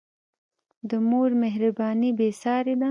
د مور مهرباني بېساری ده.